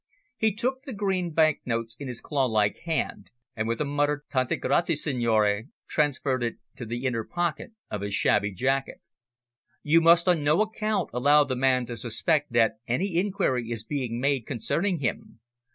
He took the green banknotes in his claw like hand, and with a muttered "Tanti grazie, signore," transferred it to the inner pocket of his shabby jacket. "You must on no account allow the man to suspect that any inquiry is being made concerning him.